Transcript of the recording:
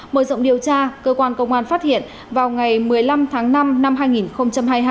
mở rộng điều tra cơ quan công an phát hiện vào ngày một mươi năm tháng năm năm hai nghìn hai mươi hai